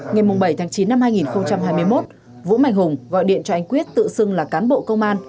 ngày bảy tháng chín năm hai nghìn hai mươi một vũ mạnh hùng gọi điện cho anh quyết tự xưng là cán bộ công an